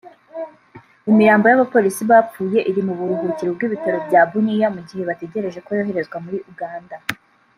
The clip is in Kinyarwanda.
Imirambo y’abapolisi bapfuye iri mu buhurukiro bw’ibitaro bya Bunia mu gihe bategereje ko yokoherezwa muri Uganda